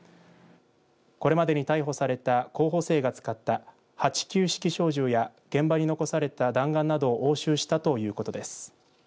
これまでに逮捕された候補生が使った８９式小銃や現場に残された弾丸などを押収したということです。